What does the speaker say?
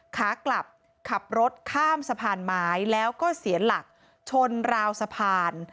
ขากลับขับรถข้ามสะพานไม้แล้วก็เสียหลักชนราวสะพาน